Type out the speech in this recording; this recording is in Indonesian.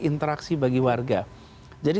interaksi bagi warga